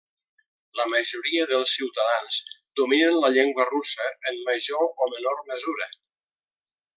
La majoria dels ciutadans dominen la llengua russa en major o menor mesura.